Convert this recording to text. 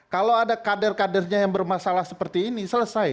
kalau ada kader kadernya yang bermasalah seperti ini selesai